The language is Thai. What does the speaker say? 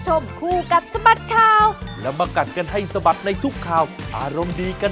สวัสดีค่ะครับสวัสดีค่ะ